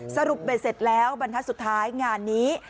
สรุปเบ็ดเสร็จแล้วบรรทัศน์สุดท้ายงานนี้